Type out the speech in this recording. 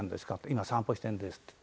「今散歩してるんです」って。